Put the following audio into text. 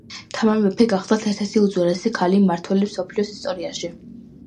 თამარ მეფე გახლდათ ერთ-ერთი უძლიერესი ქალი მმართველი მსოფლიოს ისტორიაში